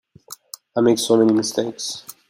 I make so many mistakes.